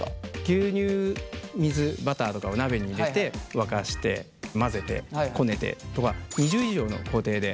牛乳水バターとかを鍋に入れて沸かして混ぜてこねてとか２０以上の工程で。